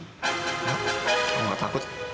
nggak aku nggak takut